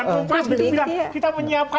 kita tidak bisa mengatakan